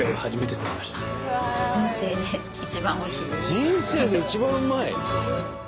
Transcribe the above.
「人生で一番うまい」！